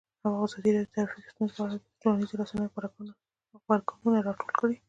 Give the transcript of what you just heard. ازادي راډیو د ټرافیکي ستونزې په اړه د ټولنیزو رسنیو غبرګونونه راټول کړي.